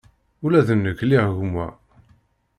Ula d nekk liɣ gma.